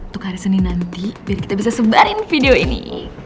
tukarisenin nanti biar kita bisa sebarin video ini